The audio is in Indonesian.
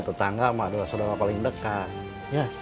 tetangga sama adalah saudara paling dekat